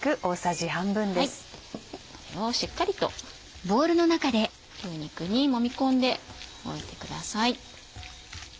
これをしっかりと牛肉にもみ込んでおいてください。